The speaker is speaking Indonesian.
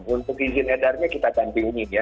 untuk izin edarnya kita ganti unit ya